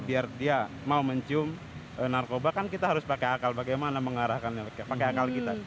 biar dia mau mencium narkoba kan kita harus pakai akal bagaimana mengarahkan pakai akal kita